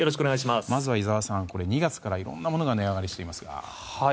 まずは井澤さん、２月からいろんな物が値上がりしていますが。